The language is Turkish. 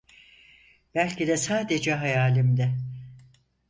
Belki de sadece hayalimde.